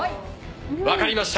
分かりました。